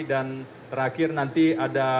dan terakhir nanti ada